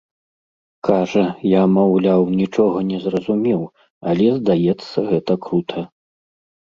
Кажа, я, маўляў, нічога не зразумеў, але, здаецца, гэта крута.